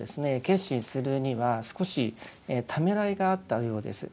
決心するには少しためらいがあったようです。